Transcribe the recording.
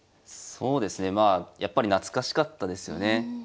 そうですねまあやっぱり懐かしかったですよね。